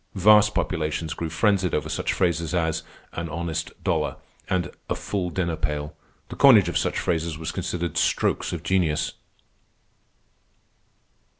Vast populations grew frenzied over such phrases as "an honest dollar" and "a full dinner pail." The coinage of such phrases was considered strokes of genius.